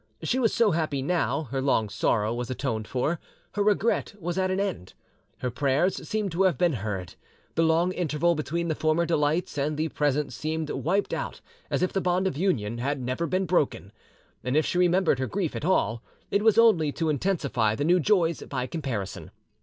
She was so happy now, her long sorrow was atoned for, her regret was at an end, her prayers seemed to have been heard, the long interval between the former delights and the present seemed wiped out as if the bond of union had never been broken, and if she remembered her grief at all, it was only to intensify the new joys by comparison.